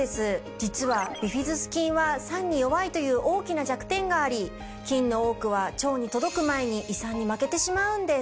実はビフィズス菌は酸に弱いという大きな弱点があり菌の多くは腸に届く前に胃酸に負けてしまうんです。